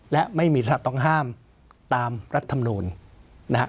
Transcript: และไม่มีศาสตร์ต้องห้ามตามรัฐธรรมโนนนะฮะ